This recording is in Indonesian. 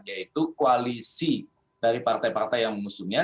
yaitu koalisi dari partai partai yang mengusungnya